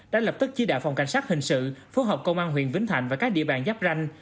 đã lập tức chi đạo phòng cảnh sát hình sự phố học công an huyện vĩnh thạnh và các địa bàn giáp ranh